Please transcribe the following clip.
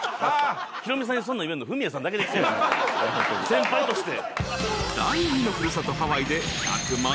先輩として。